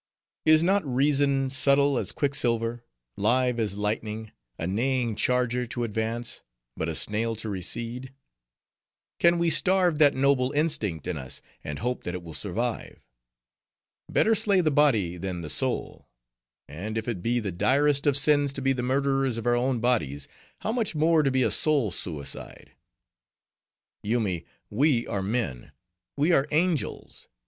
Is not reason subtile as quicksilver—live as lightning—a neighing charger to advance, but a snail to recede? Can we starve that noble instinct in us, and hope that it will survive? Better slay the body than the soul; and if it be the direst of sins to be the murderers of our own bodies, how much more to be a soul suicide. Yoomy, we are men, we are angels.